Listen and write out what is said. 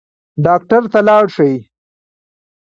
ډاکټر ته لاړ شئ